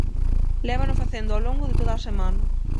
Lévano facendo ao longo de toda a semana.